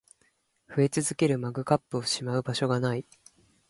増え続けるマグカップをしまう場所が無い